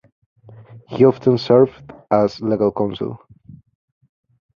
He often served as legal counsel.